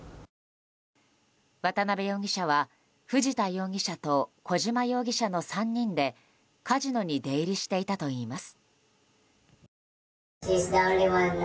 渡邉容疑者は、藤田容疑者と小島容疑者の３人でカジノに出入りしていたといいます。